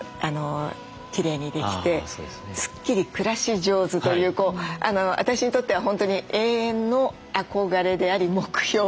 スッキリ暮らし上手という私にとっては本当に永遠の憧れであり目標です。